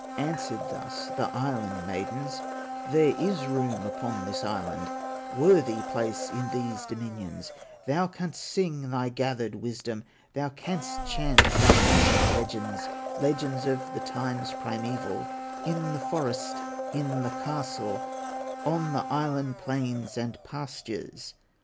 Answered thus the Island maidens: "There is room upon this island, Worthy place in these dominions, Thou canst sing thy garnered wisdom, Thou canst chant thine ancient legends, Legends of the times primeval, In the forest, in the castle, On the island plains and pastures."